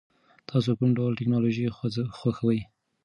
تاسو کوم ډول ټیکنالوژي خوښوئ؟